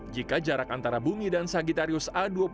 jika jarak antara bumi dan sagittarius a